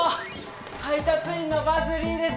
配達員のバズ・リーです！